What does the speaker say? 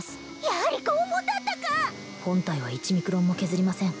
やはり拷問だったか本体は１ミクロンも削りません